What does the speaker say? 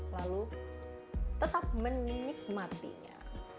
lalu tetap menikmatinya